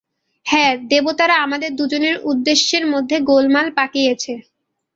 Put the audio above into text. হ্যাঁ, দেবতারা আমাদের দুজনের উদ্দেশ্যের মধ্যে গোলমাল পাকিয়েছে।